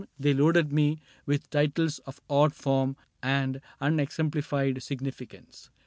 They loaded me with titles of odd form And unexemplified significance.